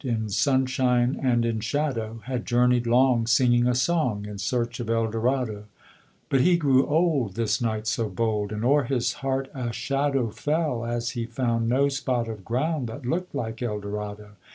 In sunshine and in shadow, Had journeyed long, Singing a song, In search of Eldorado. But he grew old This knight so bold And o'er his heart a shadow Fell as he found No spot of ground That looked like Eldorado.